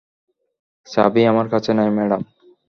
চাবি আমার কাছে নেই, ম্যাডাম।